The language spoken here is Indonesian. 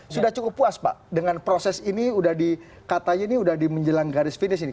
sudah cukup puas pak dengan proses ini udah di katanya ini udah di menjelang garis finish ini